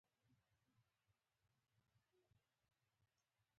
بې لکۍ بیزو، خبر یم، ته یو ښه انګلوساکسون ځوان یې.